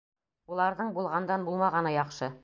Уларҙың булғандан булмағаны яҡшы.